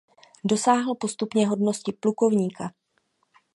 Dosáhl postupně hodnosti plukovníka.